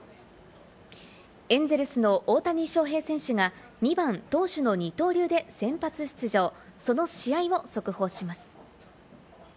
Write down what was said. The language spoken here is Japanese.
エンゼルスの大谷翔平選手が２番・投手の二刀流で先発出場、その試合を速報します。